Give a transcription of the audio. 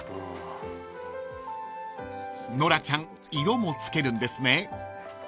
［ノラちゃん色もつけるんですね］